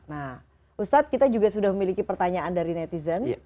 nah ustadz kita juga sudah memiliki pertanyaan dari netizen